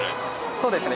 そうですね。